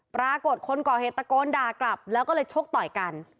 ปรากฏคนก่อเหตุตะโกนด่ากลับแล้วก็เลยชกต่อยกัน